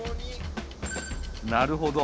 なるほど。